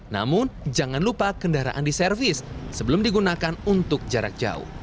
namun jangan lupa kendaraan diservis sebelum digunakan untuk jarak jauh